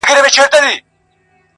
• ما یې کړي په دښتونو کي مستې دي -